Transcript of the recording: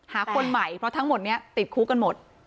คนใหม่เพราะทั้งหมดนี้ติดคุกกันหมด